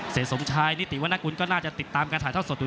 เสียสมชายนิติวนักกุลก็น่าจะติดตามการถ่ายท่าสดดู